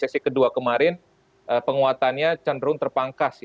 di resesi kedua kemarin penguatannya cenderung terpangkas